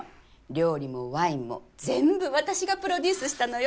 料理もワインも全部私がプロデュースしたのよ。